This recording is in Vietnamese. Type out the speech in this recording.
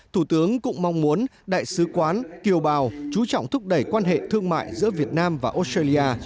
thủ tướng cũng mong muốn đại sứ quán kiều bào chú trọng thúc đẩy quan hệ thương mại giữa việt nam và australia